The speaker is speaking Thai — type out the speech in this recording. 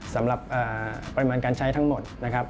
สำหรับปริมาณการใช้ทั้งหมด